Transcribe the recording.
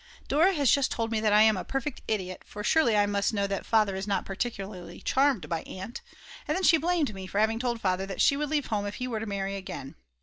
Dora has just told me that I am a perfect idiot, for surely I must know that Father is not particularly charmed by Aunt. And then she blamed me for having told Father that she would leave home if he were to marry again.